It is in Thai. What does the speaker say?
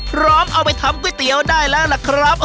เอาไปทำก๋วยเตี๋ยวได้แล้วล่ะครับ